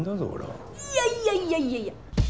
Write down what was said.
いやいやいやいやいや！